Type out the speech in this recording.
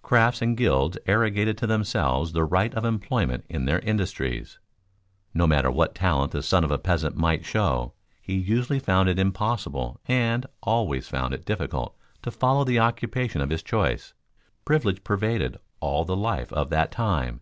Crafts and gilds arrogated to themselves the right of employment in their industries. No matter what talent the son of a peasant might show, he usually found it impossible and always found it difficult to follow the occupation of his choice. Privilege pervaded all the life of that time.